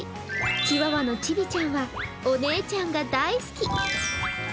チワワのちびちゃんはお姉ちゃんが大好き。